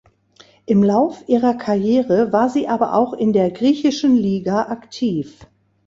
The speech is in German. Im Lauf ihrer Karriere war sie aber auch in der griechischen Liga aktiv.